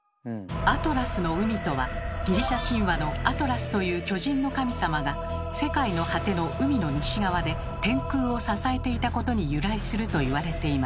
「アトラスの海」とはギリシャ神話のアトラスという巨人の神様が世界の果ての海の西側で天空を支えていたことに由来するといわれています。